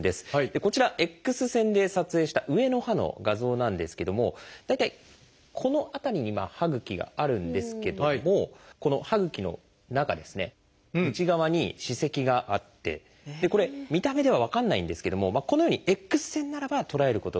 こちらＸ線で撮影した上の歯の画像なんですけども大体この辺りに歯ぐきがあるんですけどもこの歯ぐきの中ですね内側に歯石があってこれ見た目では分かんないんですけどもこのようにＸ線ならば捉えることができるんです。